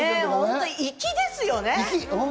本当、粋ですよね。